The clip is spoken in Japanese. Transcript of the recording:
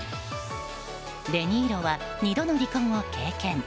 デ・ニーロは２度の離婚を経験。